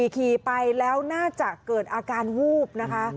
ขี่ไปแล้วน่าจะเกิดอาการวูบนะคะ